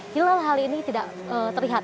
hilal hal ini tidak terlihat